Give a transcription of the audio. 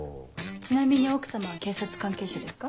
ちなみに奥様は警察関係者ですか？